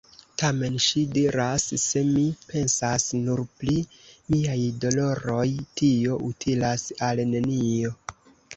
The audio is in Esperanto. Tamen ŝi diras: “Se mi pensas nur pri miaj doloroj, tio utilas al nenio.